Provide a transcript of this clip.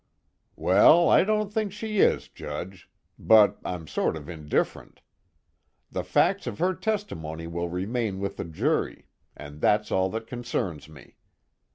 "Well, I don't think she is, Judge. But I'm sort of indifferent. The facts of her testimony will remain with the jury, and that's all that concerns me.